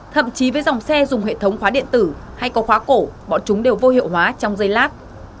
thậm chí với dòng xe dùng hệ thống khóa điện tử hay có khóa cổ bọn chúng đều vô hiệu hóa trong dây lát